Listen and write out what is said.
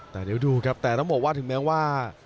แต่เดี๋ยวดูครับแต่ต้องบอกว่าถึงแม้ว่า